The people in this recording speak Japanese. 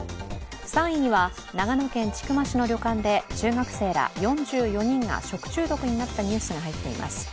３位には、長野県千曲市の旅館で中学生ら４４人が食中毒になったニュースが入っています。